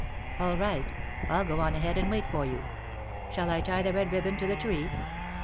"All right. I'll go on ahead and wait for you. Shall I tie the red ribbon to the tree?"